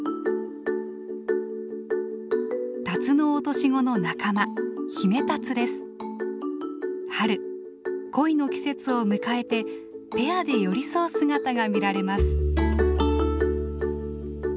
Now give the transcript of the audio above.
タツノオトシゴの仲間春恋の季節を迎えてペアで寄り添う姿が見られます。